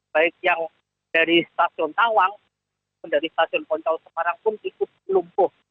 baik yang dari stasiun tawang dari stasiun poncol semarang pun ikut lumpuh